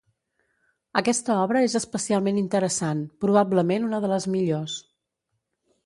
Aquesta obra és especialment interessant, probablement una de les millors.